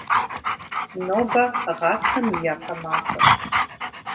Нобэ гъатхэм и япэ махуэщ.